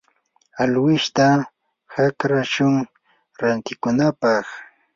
alwishta akrashun rantikunapaq.